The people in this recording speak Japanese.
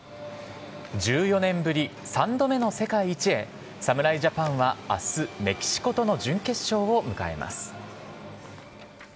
１４年ぶり３度目の世界一へ、侍ジャパンはあす、メキシコとの準決勝を迎えます。